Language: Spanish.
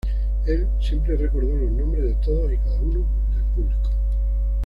Él siempre recordó los nombres de todos y cada uno del público.